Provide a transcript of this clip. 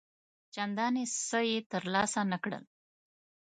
چنداني څه یې تر لاسه نه کړل.